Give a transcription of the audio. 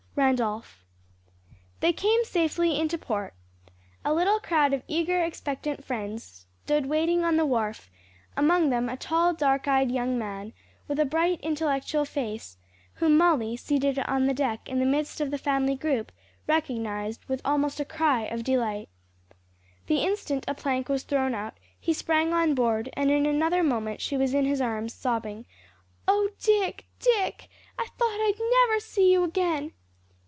RANDOLPH. They came safely into port. A little crowd of eager, expectant friends stood waiting on the wharf; among them a tall, dark eyed young man, with a bright, intellectual face, whom Molly, seated on the deck in the midst of the family group, recognized with almost a cry of delight. The instant a plank was thrown out, he sprang on board, and in another moment she was in his arms, sobbing, "Oh, Dick, Dick. I thought I'd never see you again!"